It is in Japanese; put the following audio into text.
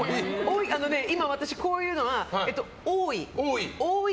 今、私こういうのは多い。